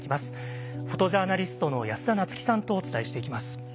フォトジャーナリストの安田菜津紀さんとお伝えしていきます。